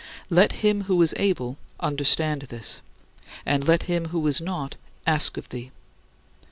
Let him who is able understand this; and let him who is not ask of thee.